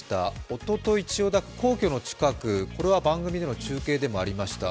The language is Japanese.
おととい、千代田区、皇居の近く、これは番組でも中継でもありました。